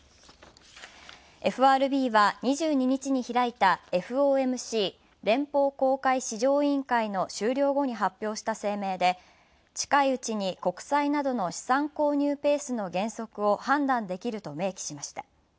ＦＲＢは２２日に開いたＦＯＭＣ＝連邦公開市場委員会の終了後に発表した声明で、「近いうちに国債などの資産購入ペースの減速を判断できる」と明記しました。